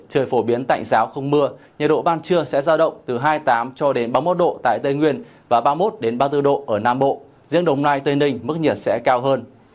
trời phổ biến tạnh giáo không mưa nhiệt độ ban trưa sẽ ra động từ hai mươi tám cho đến ba mươi một độ tại tây nguyên và ba mươi một ba mươi bốn độ ở nam bộ riêng đồng nai tây ninh mức nhiệt sẽ cao hơn